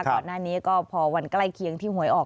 ก่อนหน้านี้ก็พอวันใกล้เคียงที่หวยออก